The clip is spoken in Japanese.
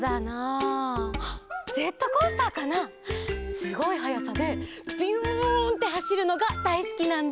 すごいはやさでビュンってはしるのがだいすきなんだ！